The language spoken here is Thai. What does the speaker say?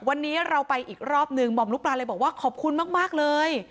วันนี้เราไปอีกรอบหนึ่งหม่อมลูกปลาเลยบอกว่าขอบคุณมากเลย